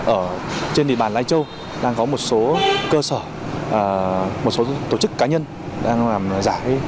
ở trên địa bàn lai châu đang có một số cơ sở một số tổ chức cá nhân đang làm giả